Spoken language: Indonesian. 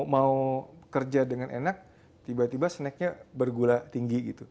mau kerja dengan enak tiba tiba snacknya bergula tinggi gitu